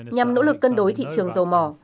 nhằm nỗ lực cân đối thị trường dầu mỏ